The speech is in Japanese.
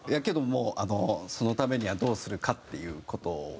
けどもうあのそのためにはどうするかっていう事を。